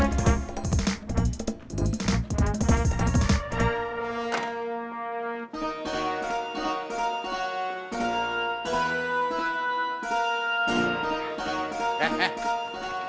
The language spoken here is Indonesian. terima kasih pak joko